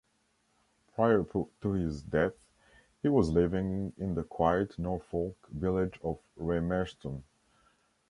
Prior to his death, he was living in the quiet Norfolk village of Reymerston.